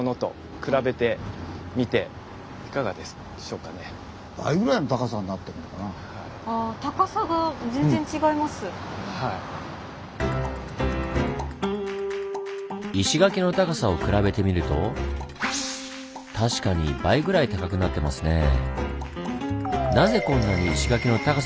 おっああやってやっぱ石垣の高さを比べてみると確かに倍ぐらい高くなってますねぇ。